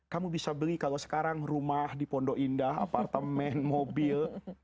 kamu bisa beli kalau sekarang rumah di pondok indah apartemen mobil